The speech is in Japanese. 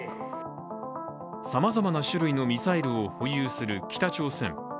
さまざまな種類のミサイルを保有する北朝鮮。